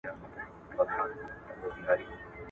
خیر محمد وویل چې زه به خامخا کور ته ډوډۍ وړم.